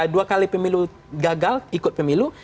dua kali pemilu gagal ikut pemilu